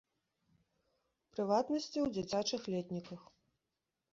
У прыватнасці ў дзіцячых летніках.